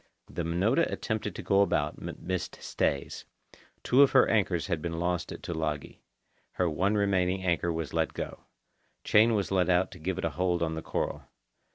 The Minota attempted to go about, but missed stays. Two of her anchors had been lost at Tulagi. Her one remaining anchor was let go. Chain was let out to give it a hold on the coral.